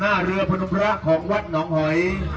หน้าเรือพนมภาคของวัดห่อย